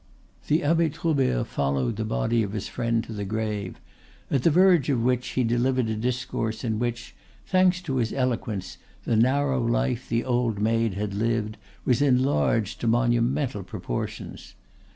The Abbe Troubert followed the body of his friend to the grave; at the verge of which he delivered a discourse in which, thanks to his eloquence, the narrow life the old maid had lived was enlarged to monumental proportions.